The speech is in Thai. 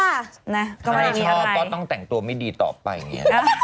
ไม่ชอบก็ต้องแต่งตัวไม่ดีต่อไปเนี่ย